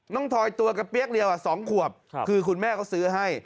ทอยตัวกระเปี๊ยกเดียว๒ขวบคือคุณแม่เขาซื้อให้